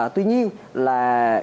tuy nhiên là